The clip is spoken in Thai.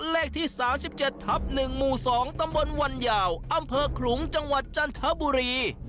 เลขที่สามสิบเจ็ดทับหนึ่งหมู่สองทำบนวันยาวอำเภาะขลุงจังหวัดจันทบุรี